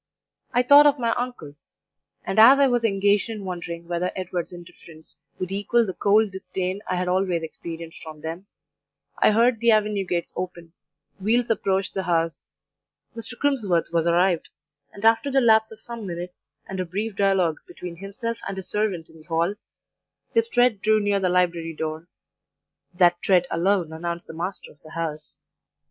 "I thought of my uncles; and as I was engaged in wondering whether Edward's indifference would equal the cold disdain I had always experienced from them, I heard the avenue gates open: wheels approached the house; Mr. Crimsworth was arrived; and after the lapse of some minutes, and a brief dialogue between himself and his servant in the hall, his tread drew near the library door that tread alone announced the master of the house.